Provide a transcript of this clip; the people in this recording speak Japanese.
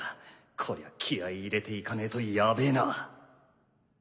こりゃ気合い入れていかねえとヤベえな。